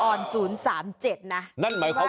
ก็คือเธอนี่มีความเชี่ยวชาญชำนาญ